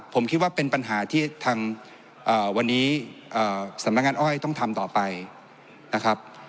ผมคิดว่าเป็นปัญหาที่ทางวันนี้สำนักงานอ้อยต้องทำต่อไปนะครับ